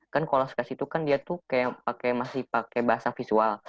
kan kalau skas itu kan dia tuh kayak masih pakai bahasa visual